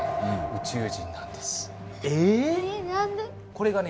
これがね